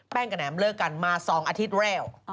กับแหมเลิกกันมา๒อาทิตย์แล้ว